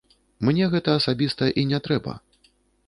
Мне гэта асабіста і не трэба.